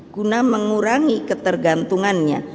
guna mengurangi ketergantungannya